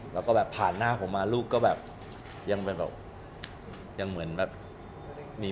แล้วก็แบบผ่านหน้าผมมาลูกก็แบบยังแบบยังเหมือนแบบมี